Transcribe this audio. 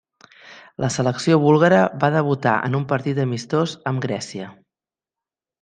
La selecció búlgara va debutar en un partit amistós amb Grècia.